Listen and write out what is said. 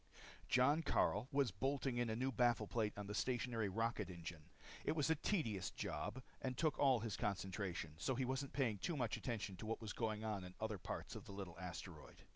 _ Jon Karyl was bolting in a new baffle plate on the stationary rocket engine. It was a tedious job and took all his concentration. So he wasn't paying too much attention to what was going on in other parts of the little asteroid.